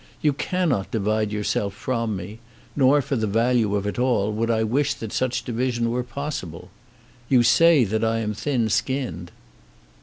You cannot divide yourself from me; nor, for the value of it all, would I wish that such division were possible. You say that I am thin skinned."